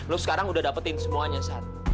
lu sekarang udah dapetin semuanya sat